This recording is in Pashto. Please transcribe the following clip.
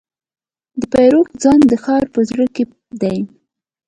د پیرود ځای د ښار په زړه کې دی.